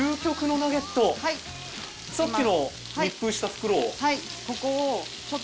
さっきの密封した袋を。